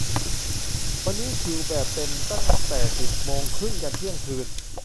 วันนี้คิวแบบ เต็มตั้งแต่สิบโมงครึ่งยันเที่ยงคืน